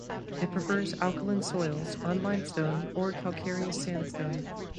It prefers alkaline soils on limestone or calcareous sandstone.